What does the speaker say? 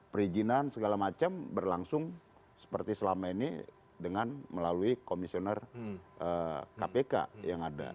perizinan segala macam berlangsung seperti selama ini dengan melalui komisioner kpk yang ada